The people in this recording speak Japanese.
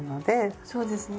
そうですね。